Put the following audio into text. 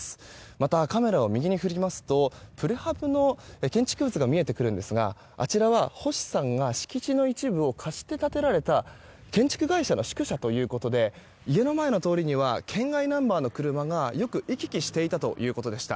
また、カメラを右に振りますとプレハブの建築物が見えてくるんですがあちらは星さんが敷地の一部を貸して建てられた建築会社の宿舎ということで家の前の通りには県外ナンバーの車がよく行き来していたということでした。